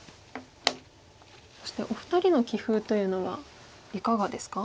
そしてお二人の棋風というのはいかがですか？